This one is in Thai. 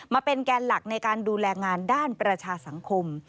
มาเป็นแกนหลักในการดูแลงานด้านประชาสังคม